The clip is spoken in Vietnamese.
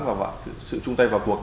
và một sự chung tay vào cùng